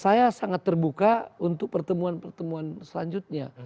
saya sangat terbuka untuk pertemuan pertemuan selanjutnya